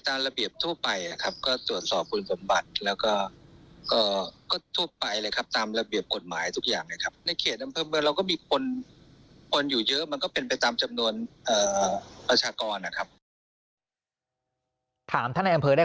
ถามท่านท่านดำเภอได้ข้อมูลประมาณนี้